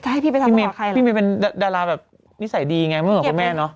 เขาไปหาใครหรอพี่เมเป็นดาราแบบนิสัยดีไงหรือเปล่าคุณแม่เนอะ